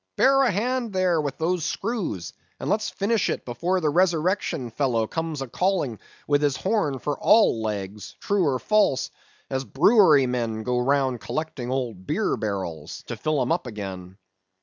bear a hand there with those screws, and let's finish it before the resurrection fellow comes a calling with his horn for all legs, true or false, as brewery men go round collecting old beer barrels, to fill 'em up again.